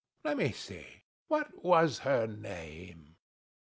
Let me see: what was her name?